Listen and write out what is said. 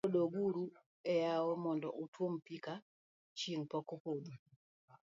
koro dog uru e yawo mondo utuom pi ka chieng' pok opodho